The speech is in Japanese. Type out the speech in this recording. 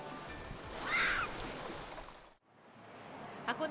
箱根